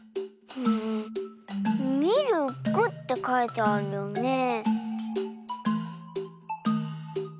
「みるく」ってかいてあるよねえ。